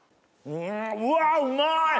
うわうまい！